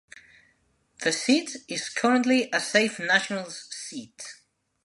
The seat is currently a safe Nationals seat.